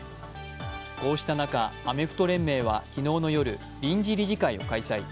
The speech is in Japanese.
こうした中、アメフト連盟は昨日夜、臨時理事会を開催